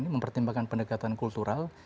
mempertimbangkan pendekatan kultural